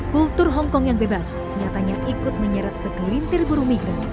kultur hongkong yang bebas nyatanya ikut menyeret segelintir buru migran